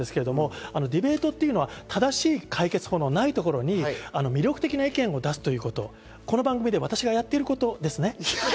ディベートというのは正しい解決法のないところに魅力的な意見を出すこと、この番組で私がやっていることですね。